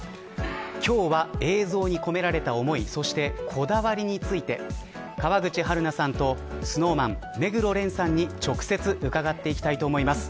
今日は映像に込められた思いそして、こだわりについて川口春奈さんとＳｎｏｗＭａｎ目黒蓮さんに直接伺っていきたいと思います。